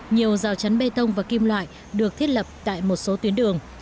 nhiều rào chắn bê tông và kim loại được thiết lập tại một số tuyến đường